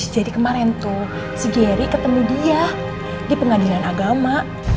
ish jadi kemarin tuh si gery ketemu dia di pengadilan agama